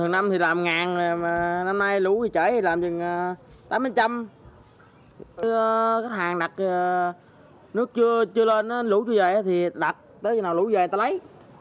năm nay lũ về trễ thì làm chừng tám mươi trăm các hàng đặt nước chưa lên lũ chưa về thì đặt tới khi nào lũ về thì ta lấy